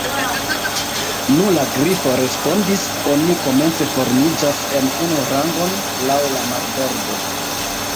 "Nu," la Grifo respondis, "oni komence formiĝas en unu rangon laŭ la marbordo."